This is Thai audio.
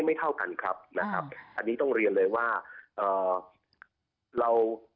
ไม่เท่ากันครับอันนี้ต้องเรียนเลยว่า